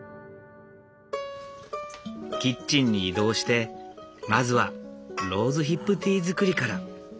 キッチンに移動してまずはローズヒップティー作りから。